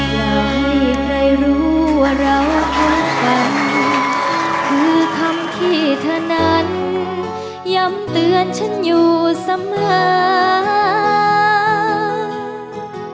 ขอให้ทุกคนรู้ว่าเราพูดกันคือคำที่เธอนั้นย้ำเตือนฉันอยู่สำหรับ